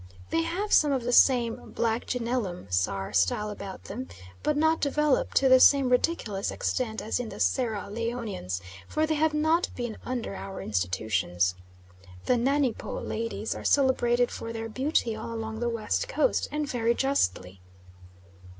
They have some of the same "Black gennellum, Sar" style about them, but not developed to the same ridiculous extent as in the Sierra Leonians, for they have not been under our institutions. The "Nanny Po" ladies are celebrated for their beauty all along the West Coast, and very justly.